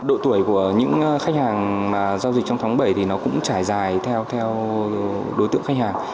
độ tuổi của những khách hàng giao dịch trong tháng bảy cũng trải dài theo đối tượng khách hàng